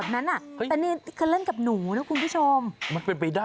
เอ่อนั่นสิค่ะนั่นสิค่ะ